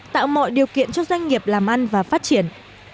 tạo mọi điều kiện cho doanh nghiệp làm ăn và phát triển